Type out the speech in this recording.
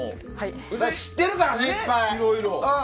知ってるからね、いっぱい！